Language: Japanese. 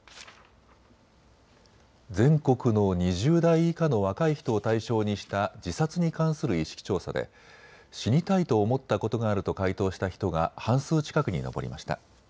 全国の２０代以下の若い人を対象にした自殺に関する意識調査で死にたいと思ったことがあると回答した人が半数近くに上りました。